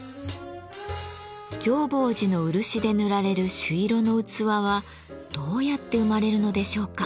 浄法寺の漆で塗られる朱色の器はどうやって生まれるのでしょうか？